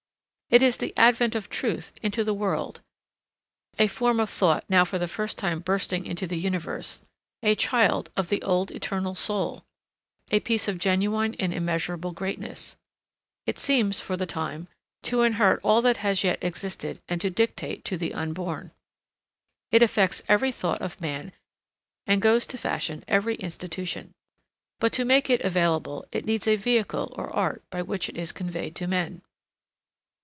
It is the advent of truth into the world, a form of thought now for the first time bursting into the universe, a child of the old eternal soul, a piece of genuine and immeasurable greatness. It seems, for the time, to inherit all that has yet existed and to dictate to the unborn. It affects every thought of man and goes to fashion every institution. But to make it available it needs a vehicle or art by which it is conveyed to men.